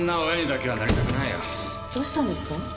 どうしたんですか？